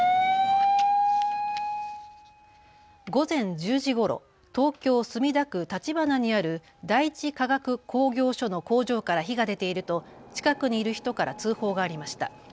午前１０時ごろ、東京墨田区立花にある第一化学工業所の工場から火が出ていると近くにいる人から通報がありました。